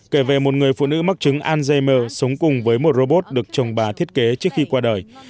kể về một người phụ nữ mắc chứng alzheimer sống cùng với một robot được chồng bà thiết kế trước khi qua đời